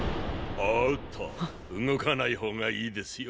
おっと動かない方がいいですよ。